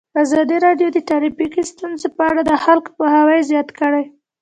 ازادي راډیو د ټرافیکي ستونزې په اړه د خلکو پوهاوی زیات کړی.